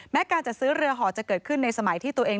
การจัดซื้อเรือห่อจะเกิดขึ้นในสมัยที่ตัวเอง